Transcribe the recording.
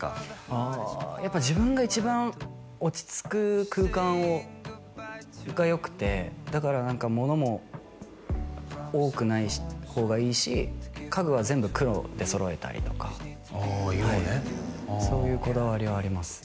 あやっぱり自分が一番落ち着く空間がよくてだから物も多くない方がいいし家具は全部黒で揃えたりとかああ色ねそういうこだわりはあります